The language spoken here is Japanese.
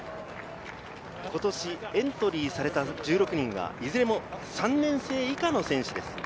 今年エントリーされた１６人は、いずれも３年生以下の選手です。